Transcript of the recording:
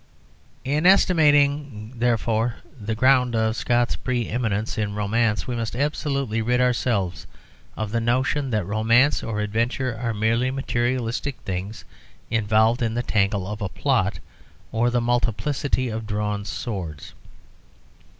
In estimating, therefore, the ground of Scott's pre eminence in romance we must absolutely rid ourselves of the notion that romance or adventure are merely materialistic things involved in the tangle of a plot or the multiplicity of drawn swords.